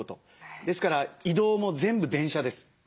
ですから移動も全部電車です。